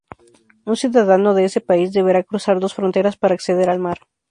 Un ciudadano de ese país deberá cruzar dos fronteras para acceder al mar.